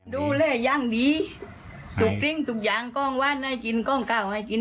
ดูแลอย่างดีถูกทิ้งทุกอย่างกล้องวันให้กินกล้องเก่าให้กิน